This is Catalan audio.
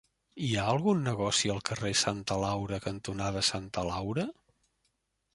Hi ha algun negoci al carrer Santa Laura cantonada Santa Laura?